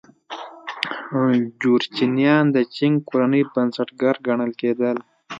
جورچنیان د چینګ کورنۍ بنسټګر ګڼل کېدل.